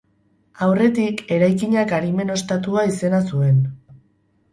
Aurretik, eraikinak Arimen Ostatua izena zuen.